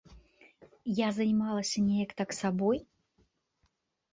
Я займалася неяк так сабой.